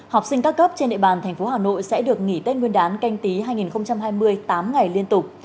học sinh ca cấp trên địa bàn tp hà nội sẽ được nghỉ tết nguyên đán canh tí hai nghìn hai mươi tám ngày liên tục